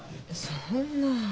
そんな。